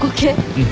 うん。